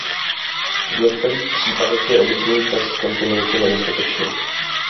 V některých případech je obyčejný test kontinuity nedostatečný.